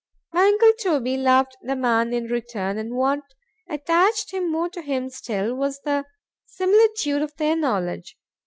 My uncle Toby loved the man in return, and what attached him more to him still, was the similitude of their knowledge.